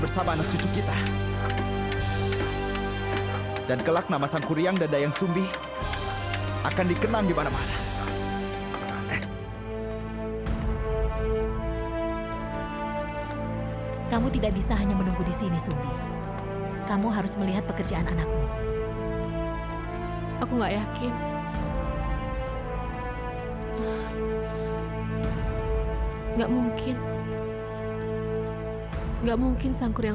sampai jumpa di video selanjutnya